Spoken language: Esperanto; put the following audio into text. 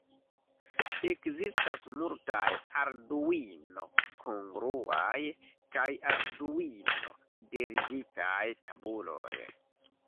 Ekzistas multaj Arduino-kongruaj kaj Arduino-derivitaj tabuloj.